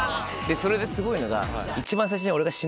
それですごいのが。